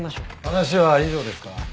話は以上ですか？